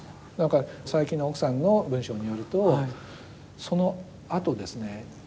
なんか佐伯の奥さんの文章によるとそのあとですね